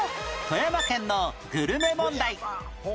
富山県のグルメ問題